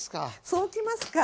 そうきますか。